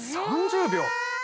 ３０秒！